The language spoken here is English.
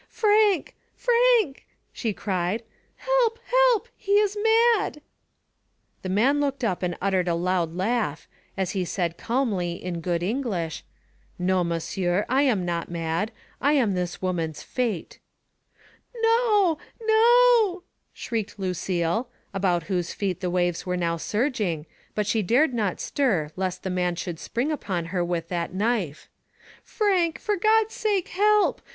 "Frank! Frank!" she cried; "help, help, he is mad." The man looked up and uttered a loud laugh, as he said calmly, in good English : "No, monsieur, I am not mad. I am this woman's fate." "No, no," shrieked Lucille, about whose feet the waves were now surging, but she dared not stir lest the man should spring upon her with that knife. 'Frank, for God's sake, help!